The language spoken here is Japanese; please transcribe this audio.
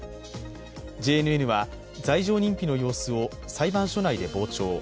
ＪＮＮは、罪状認否の様子を裁判所内で傍聴。